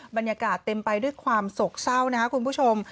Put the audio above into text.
บรรยากาศเต็มไปด้วยความโศกเศร้านะครับคุณผู้ชม